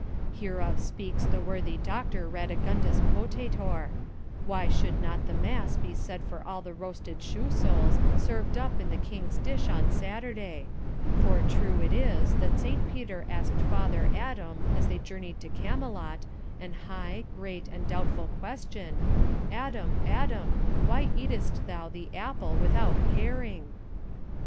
Hereof speaks the worthy Doctor Radigundus Potator; why should not mass be said for all the roasted shoe souls served up in the king's dish on Saturday; for true it is, that Saint Peter asked Father Adam, as they journeyed to Camelot, an high, great, and doubtful question, "Adam, Adam, why eated'st thou the apple without paring?"